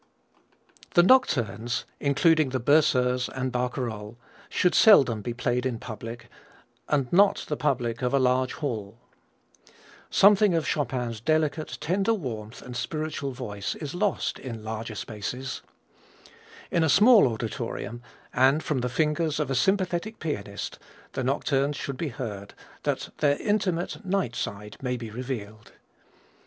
The nocturnes including the Berceuse and Barcarolle should seldom be played in public and not the public of a large hall. Something of Chopin's delicate, tender warmth and spiritual voice is lost in larger spaces. In a small auditorium, and from the fingers of a sympathetic pianist, the nocturnes should be heard, that their intimate, night side may be revealed.